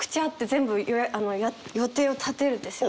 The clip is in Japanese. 全部予定を立てるんですよ！